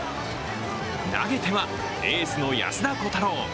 投げてはエースの安田虎汰郎。